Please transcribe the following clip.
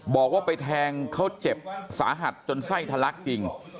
บอกว่าไปแทงเขาเจ็บสาหัสจนไส้ทะลักจริง